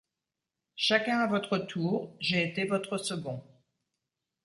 Chacun à votre tour, j’ai été votre second.